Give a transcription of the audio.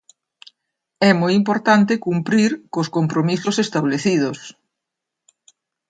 É moi importante cumprir cos compromisos establecidos.